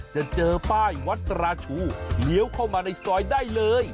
จะเจอป้ายวัดราชูเลี้ยวเข้ามาในซอยได้เลย